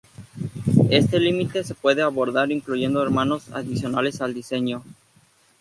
Este límite se puede abordar incluyendo hermanos adicionales al diseño.